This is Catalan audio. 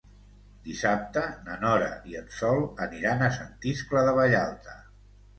Dissabte na Nora i en Sol aniran a Sant Iscle de Vallalta.